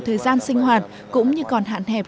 thời gian sinh hoạt cũng như còn hạn hẹp